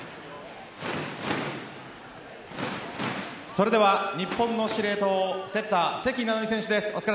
それでは日本の司令塔セッター・関菜々巳選手です。